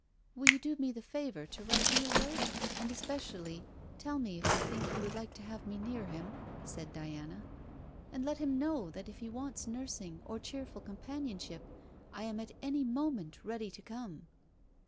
'Will you do me the favour to write me word? and especially tell me if you think he would like to have me near him,' said Diana. 'And let him know that if he wants nursing or cheerful companionship, I am at any moment ready to come.'